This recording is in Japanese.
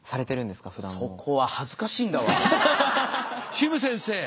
シム先生。